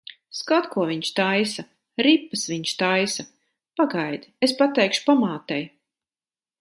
Skat, ko viņš taisa! Ripas viņš taisa. Pagaidi, es pateikšu pamātei.